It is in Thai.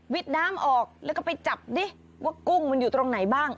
น้ำออกแล้วก็ไปจับดิว่ากุ้งมันอยู่ตรงไหนบ้าง